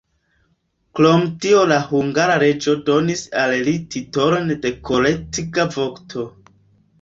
Krom tio la hungara reĝo donis al li titolon de kortega vokto.